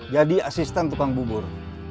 jadi asisten tukang bubur